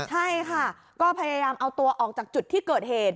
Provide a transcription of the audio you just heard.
ใช่ค่ะก็พยายามเอาตัวออกจากจุดที่เกิดเหตุ